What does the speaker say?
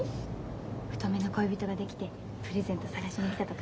太めの恋人ができてプレゼント探しに来たとか？